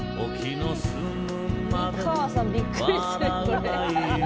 美川さんびっくりするよこれ。